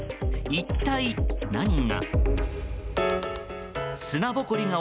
一体何が？